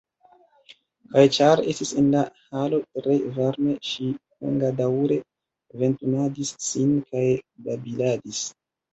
Kaj ĉar estis en la halo tre varme, ŝi longadaŭre ventumadis sin kaj babiladis.